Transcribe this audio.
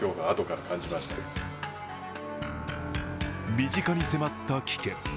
身近に迫った危険。